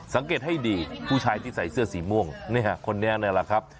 สังเกตให้ดีผู้ชายที่ใส่เสื้อสีม่วงนี่ฮะคนนี้นี่แหละครับ